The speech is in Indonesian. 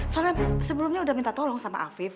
soalnya sebelumnya udah minta tolong sama afif